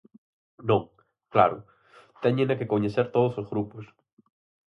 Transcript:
Non, claro, téñena que coñecer todos os grupos.